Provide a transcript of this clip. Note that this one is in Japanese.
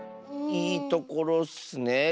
いいところッスね。